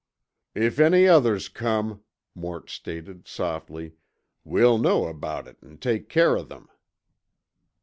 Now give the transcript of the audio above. "If any others come," Mort stated softly, "we'll know about it an' take care of them."